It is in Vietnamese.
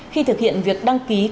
khi thực hiện việc đăng ký xe ô tô